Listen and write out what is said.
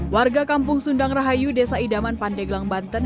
warga kampung sundang rahayu desa idaman pandeglang banten